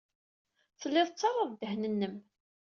Tellid tettarrad ddehn-nnem.